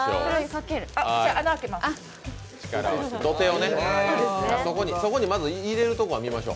土手をね、そこにまず入れるところは見ましょう。